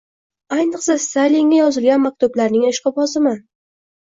Ayniqsa, Stalinga yozilgan maktublarning ishqiboziman.